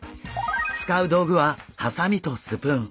使う道具はハサミとスプーン。